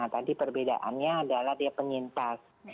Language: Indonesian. tadi perbedaannya adalah dia penyintas